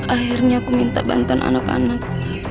akhirnya aku minta bantuan anak anak